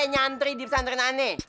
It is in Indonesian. nyantri di pesantren aneh